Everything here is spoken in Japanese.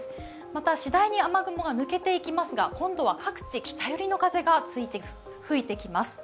また、次第に雨雲が抜けていきますが、今度は各地、北寄りの風が吹いてきます。